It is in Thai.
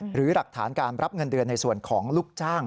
หรือหลักฐานการรับเงินเดือนในส่วนของลูกจ้าง